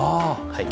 はい。